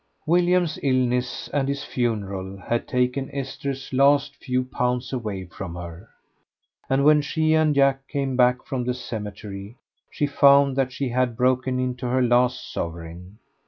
William's illness and his funeral had taken Esther's last few pounds away from her, and when she and Jack came back from the cemetery she found that she had broken into her last sovereign.